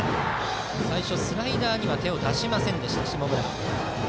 最初、スライダーには手を出しませんでした下村。